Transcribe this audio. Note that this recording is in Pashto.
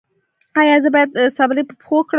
ایا زه باید څپلۍ په پښو کړم؟